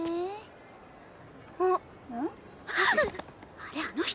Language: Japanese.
あれあの人。